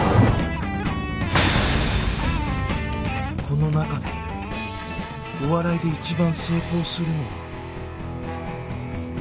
この中でお笑いで一番成功するのは